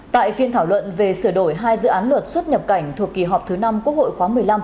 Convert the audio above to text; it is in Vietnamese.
tại phiên thảo luận về sửa đổi hai dự án luật xuất nhập cảnh thuộc kỳ họp thứ năm quốc hội khóa một mươi năm